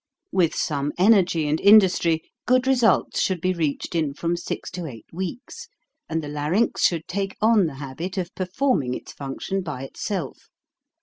With some energy and industry good results should be reached in from six to eight weeks, and the larynx should take on the habit of perform ing its function by itself.